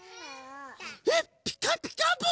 えっ「ピカピカブ！」。